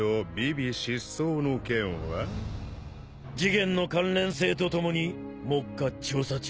事件の関連性とともに目下調査中。